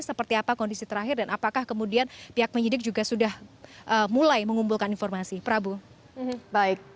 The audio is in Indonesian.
seperti apa kondisi terakhir dan apakah kemudian pihak penyidik juga sudah mulai mengumpulkan informasi prabu